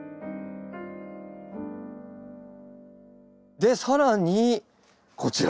で更にこちら。